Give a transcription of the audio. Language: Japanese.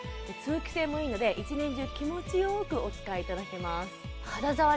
通気性もいいので１年中気持ちよくお使いいただけます